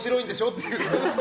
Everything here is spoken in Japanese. っていう。